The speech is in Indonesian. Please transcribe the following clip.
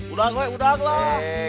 udah lah udah lah